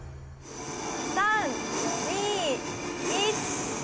３・２・１。